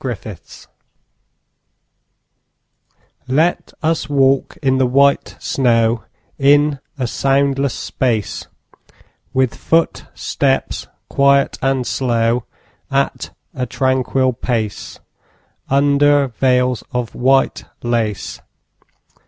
VELVET SHOES Let us walk in the white snow In a soundless space; With footsteps quiet and slow, At a tranquil pace, Under veils of white lace.